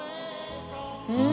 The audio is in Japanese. うん！